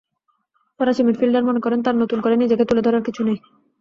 ফরাসি মিডফিল্ডার মনে করেন, তাঁর নতুন করে নিজেকে তুলে ধরার কিছু নেই।